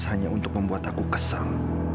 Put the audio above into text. hanya untuk membuat aku kesang